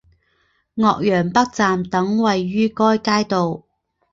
岳阳北站等位于该街道。